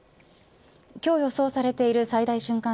今日、予想されている最大瞬間